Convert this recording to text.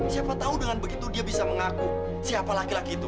siapa tahu dengan begitu dia bisa mengaku siapa laki laki itu